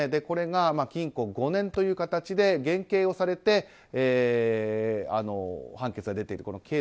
これが禁錮５年という形で減刑をされて判決が出ているんです。